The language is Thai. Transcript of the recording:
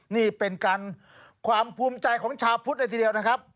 นี่เป็นการความภูมิใจของชาวพุทธเลยทีเดียวนะครับ